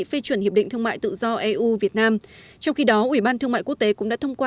phê chuẩn hiệp định thương mại tự do eu việt nam trong khi đó ủy ban thương mại quốc tế cũng đã thông qua